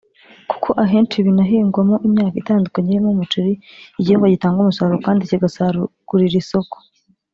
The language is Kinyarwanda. kuko ahenshi binahingwamo imyaka itandukanye irimo umuceri (igihingwa gitanga umusaruro kandi kigasagurira isoko)